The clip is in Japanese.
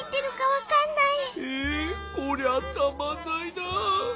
えこりゃたまんないなぁ。